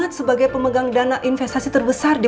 karena mobilnya pembangunan memasihintation platform di bunga